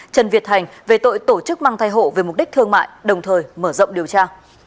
trần việt thành về tội tổ chức mang thai hộ về mục đích thương mại đồng thời mở rộng điều tra